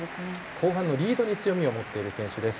後半のリードに強みを持っている選手です。